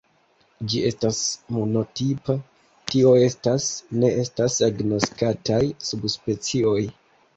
Ĝi estas monotipa, tio estas, ne estas agnoskataj subspecioj.